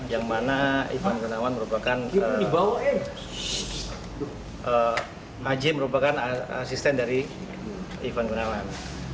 yang mana ivan gunawan merupakan aj merupakan asisten dari ivan gunawan